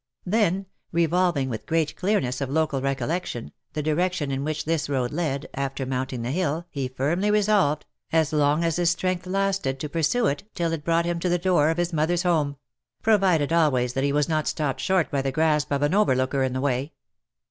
Then, revolving with great clearness of local recol lection, the direction in which this road led, after mounting the hill, he firmly resolved, as long as his strength lasted, to pursue it, till it brought him to the door of his mother's home — provided always, that he was not stopped short by the grasp of an overlooker in the way.